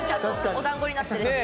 お団子になってる。